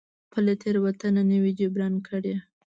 خپله تېروتنه نه وي جبران کړې.